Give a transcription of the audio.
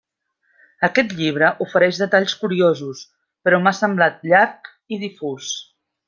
Aquest llibre ofereix detalls curiosos, però m'ha semblat llarg i difús.